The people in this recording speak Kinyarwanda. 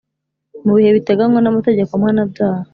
mu bihe biteganywa n amategeko mpana byaha.